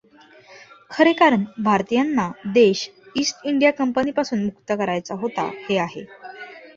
खरे कारण भारतीयांना देश ईस्ट इंडिया कंपनीपासून मुक्त करायचा होता, हे आहे.